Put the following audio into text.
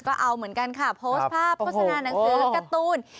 ก็เอาเหมือนกันค่ะโพสต์ภาพโฆษณาหนังสือการ์ตูน